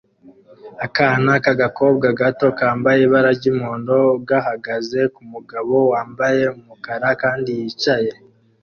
Akana k'agakobwa gato kambaye ibara ry'umuhondo gahagaze ku mugabo wambaye umukara kandi yicaye